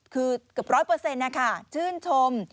คือเกือบ๑๐๐นะคะชื่นชม